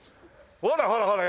ほらほらほら。